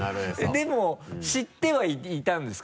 でも知ってはいたんですか？